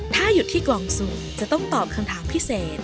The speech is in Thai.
ถ้าหยุดที่กล่องสูบจะต้องตอบคำถามพิเศษ